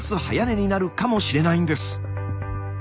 早寝になるかもしれないんです。